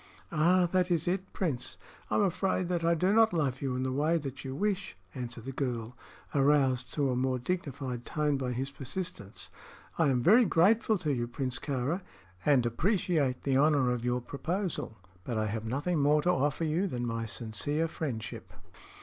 "Ah, that is it, Prince! I'm afraid that I do not love you in the way that you wish," answered the girl, aroused to a more dignified tone by his persistence. "I am very grateful to you, Prince Kāra, and appreciate the honor of your proposal; but I have nothing more to offer you than my sincere friendship."